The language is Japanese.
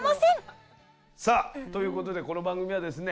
さあということでこの番組はですね